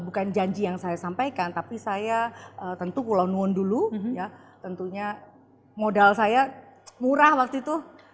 bukan janji yang saya sampaikan tapi saya tentu pulau nuon dulu ya tentunya modal saya murah waktu itu